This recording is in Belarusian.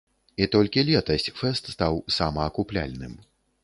І толькі летась фэст стаў самаакупляльным.